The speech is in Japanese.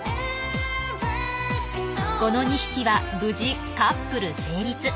この２匹は無事カップル成立。